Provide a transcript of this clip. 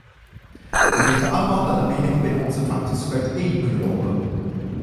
Wij weten allemaal dat de meningen binnen onze fracties uiteen kunnen lopen.